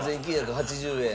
３９８０円。